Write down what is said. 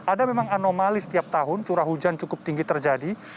ada memang anomali setiap tahun curah hujan cukup tinggi terjadi